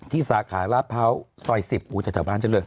ที่สาขาละพร้าวซอย๑๐อู๋จัตรบ้านเจริญ